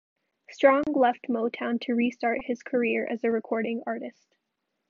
Strong left Motown to restart his career as a recording artist.